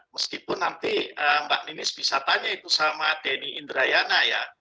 meskipun nanti mbak ninis bisa tanya itu sama denny indrayana ya